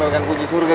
memegang kunci surga